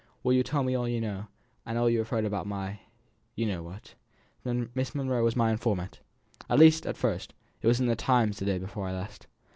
"Will you tell me all you know all you have heard about my you know what?" "Miss Monro was my informant at least at first it was in the Times the day before I left.